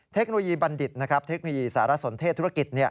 เทคโนโลยีบัณฑิตเทคโนโลยีสารสนเทศธุรกิจ